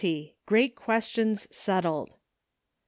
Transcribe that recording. GREAT QUESTIONS SETTLED.